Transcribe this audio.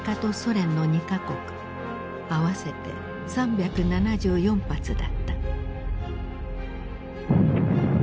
合わせて３７４発だった。